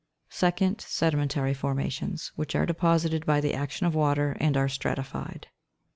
2d. Sedimentary formations, which are deposited by the action of water, and are stratified.